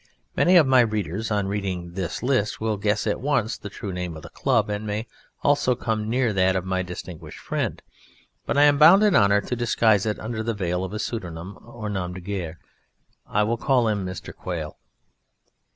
Many of my readers on reading this list will guess at once the true name of the club, and may also come near that of my distinguished friend, but I am bound in honour to disguise it under the veil of a pseudonym or nom de guerre; I will call him Mr. Quail.